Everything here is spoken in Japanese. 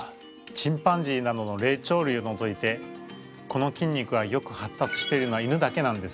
チンパンジーなどの霊長類をのぞいてこの筋肉がよく発達しているのは犬だけなんです。